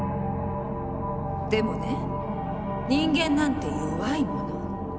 でもね人間なんて弱いもの。